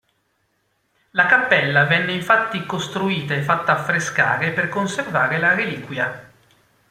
La cappella venne infatti costruita e fatta affrescare per conservare la reliquia.